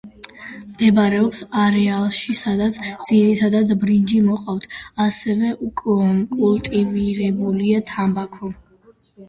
მდებარეობს არეალში, სადაც ძირითადად ბრინჯი მოყავთ, ასევე კულტივირებულია თამბაქო.